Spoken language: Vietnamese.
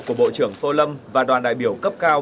của bộ trưởng tô lâm và đoàn đại biểu cấp cao